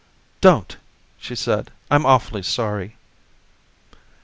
'" "Don't!" she said. "I'm awfully sorry."